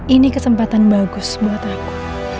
ini kesempatan bagus buat aku